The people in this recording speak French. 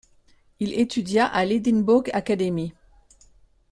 Il étudia à l'Edinburgh Academy.